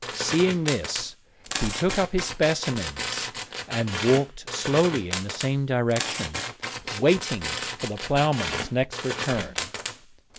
Seeing this, he took up his specimens and walked slowly in the same direction, waiting for the ploughman's next return.